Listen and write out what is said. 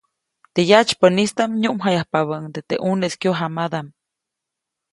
Teʼ yatsypäʼnistaʼm nyuʼmjayapabäʼuŋde teʼ ʼuneʼis kyojamadaʼm.